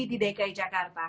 di dki jakarta